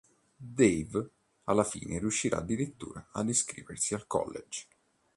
Dave alla fine riuscirà addirittura ad iscriversi al College.